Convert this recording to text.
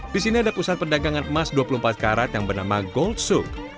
di sini ada pusat perdagangan emas dua puluh empat karat yang bernama gold suke